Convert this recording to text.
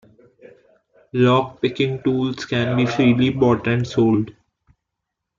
Lock picking tools can be freely bought and sold.